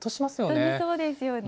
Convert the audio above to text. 本当にそうですよね。